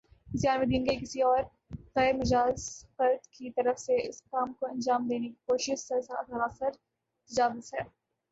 کسی عالمِ دین یا کسی اور غیر مجاز فرد کی طرف سے اس کام کو انجام دینے کی کوشش سراسر تجاوز ہے